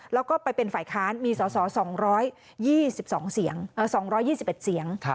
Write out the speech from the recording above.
แล้วก็ไปเป็นฝ่ายค้านมีสส๒๒เสียง๒๒๑เสียง